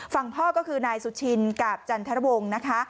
ฝั่งพ่อก็คือนายสุชินกับจันทรวงศ์นะคะ